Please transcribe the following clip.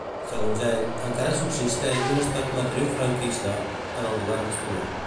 Segons ell, "encara subsisteix un estat de matriu franquista" en el govern espanyol.